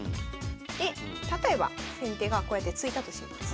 で例えば先手がこうやって突いたとします。